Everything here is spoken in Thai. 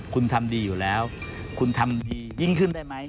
คุณทำดีอยู่แล้วคุณทำดียิ่งขึ้นได้ไหม